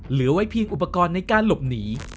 เหลือไว้เพียงอุปกรณ์ในการหลบหนี